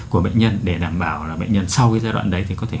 của bệnh nhân để đảm bảo là bệnh nhân sau cái giai đoạn đấy thì có thể